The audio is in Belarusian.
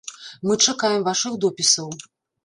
Мы чакаем вашых допісаў!